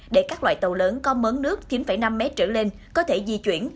để các loại tàu lớn có mớn nước chín năm m trở lên có thể di chuyển